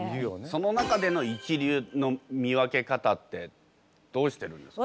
その中での一流の見分け方ってどうしてるんですか？